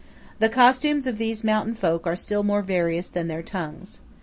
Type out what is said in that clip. The costumes of these mountain folk are still more various than their tongues.